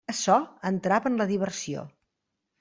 Açò entrava en la diversió.